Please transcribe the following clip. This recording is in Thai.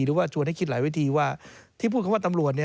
หรือว่าชวนให้คิดหลายวิธีว่าที่พูดคำว่าตำรวจ